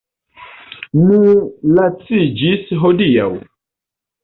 Mi laciĝis hodiaŭ.